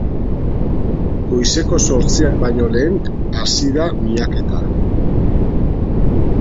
Goizeko zortziak baino lehen hasi da miaketa.